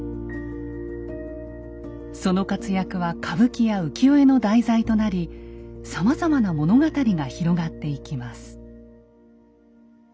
その活躍は歌舞伎や浮世絵の題材となりさまざまな物語が広がっていきます。